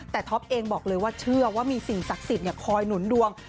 แต่ท็อปเองบอกเลยว่าเชื่อว่ามีสิ่งศักดิ์สิทธิ์คอยหนุนดวง